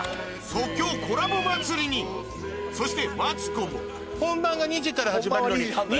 即興コラボ祭りにそしてマツコも本番が２時から始まるのに。